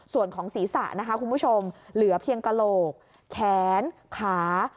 ส่วนของศีรษะนะคะคุณผู้ชมเหลือเพียงกระโหลกแขนขา